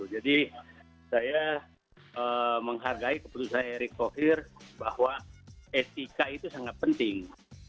jadi saya menghargai keputusan erick thohir bahwa etika itu sangat penting